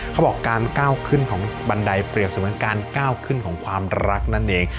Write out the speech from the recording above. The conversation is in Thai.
เขาบอกการก้าวขึ้นของบันไดเปรียบเสมือนการก้าวขึ้นของความรักนั่นเอง